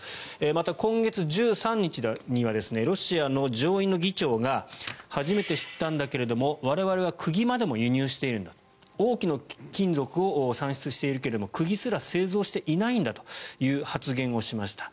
また、今月１３日にはロシアの上院の議長が初めて知ったんだけれども我々は釘までも輸入しているんだ多くの金属を産出しているけれども釘すら製造していないんだという発言をしました。